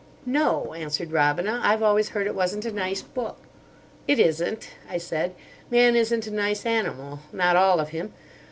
"No," answered Robina; "I've always heard it wasn't a nice book." "It isn't," I said. "Man isn't a nice animal, not all of him.